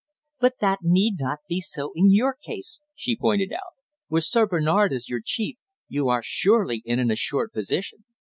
"But that need not be so in your case," she pointed out. "With Sir Bernard as your chief, you are surely in an assured position."